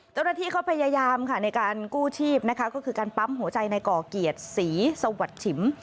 ตรฐีเขาพยายามในการกู้ชีพก็คือการปั๊มหัวใจในก่อเกียรติศีสวัสดิ์ฉิม